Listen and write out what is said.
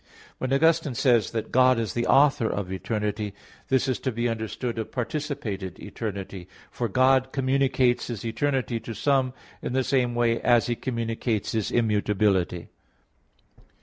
When Augustine says that "God is the author of eternity," this is to be understood of participated eternity. For God communicates His eternity to some in the same way as He communicates His immutability.